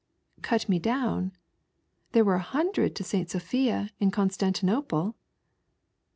"Cut me down? There were a hundred to S. Sophia, in Constantinople."